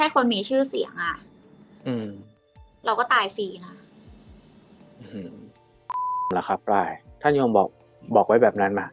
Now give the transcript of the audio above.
ก็ต้องฝากทุกคน